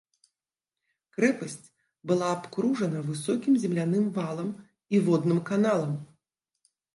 Крэпасць была абкружана высокім земляным валам і водным каналам.